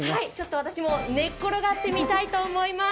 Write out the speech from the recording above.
私も寝っころがってみたいと思います。